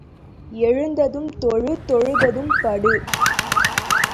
எழுந்ததும் தொழு தொழுததும் படு.